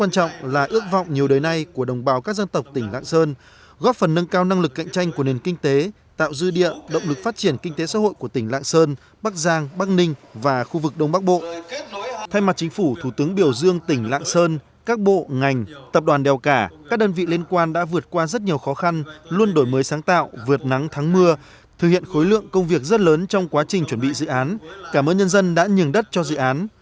thay mặt chính phủ thủ tướng biểu dương tỉnh lạng sơn các bộ ngành tập đoàn đều cả các đơn vị liên quan đã vượt qua rất nhiều khó khăn luôn đổi mới sáng tạo vượt nắng tháng mưa thực hiện khối lượng công việc rất lớn trong quá trình chuẩn bị dự án cảm ơn nhân dân đã nhường đất cho dự án